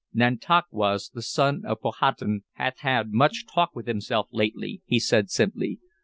"Nantauquas, the son of Powhatan, hath had much talk with himself lately," he said simply.